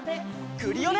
クリオネ！